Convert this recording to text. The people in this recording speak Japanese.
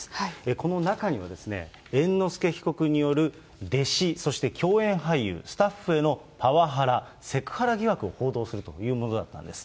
この中には、猿之助被告による弟子、そして共演俳優、スタッフへのパワハラ、セクハラ疑惑を報道するというものだったんです。